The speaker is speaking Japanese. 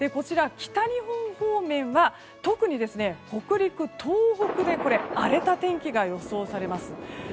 北日本方面は特に北陸、東北で荒れた天気が予想されます。